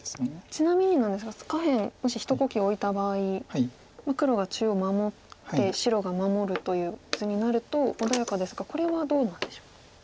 ちなみになんですが下辺もし一呼吸置いた場合黒が中央を守って白が守るという図になると穏やかですがこれはどうなんでしょう。